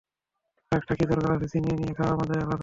আরেকটার কি দরকার আছে, ছিনিয়ে নিয়ে খাওয়ার মজাই আলাদা।